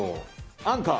アンカー。